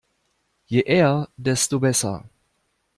Je eher, desto besser.